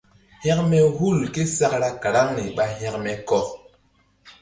Hȩkme hul késakra karaŋri ɓa hȩkme kɔk.